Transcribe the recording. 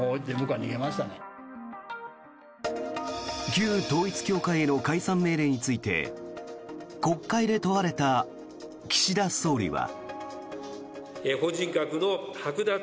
旧統一教会への解散命令について国会で問われた岸田総理は。